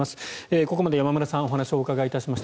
ここまで山村さんお話をお伺いいたしました。